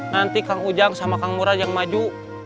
nanti kang ujang sama kang murad yang maju